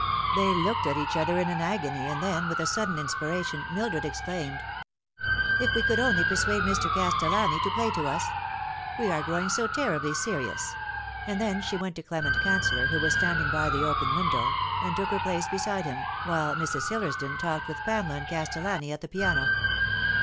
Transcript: They looked at each other in an agony, and then, with a sudden inspiration, Mildred exclaimed, " If we could only persuade Mr. Castellani to play to us ! "We are growing so terribly serious ;" and then she went to Clement Canceller, who was standing by the open window, and took her place beside him, while Mrs. Hillersdon talked with Pamela and Castellani at the piano.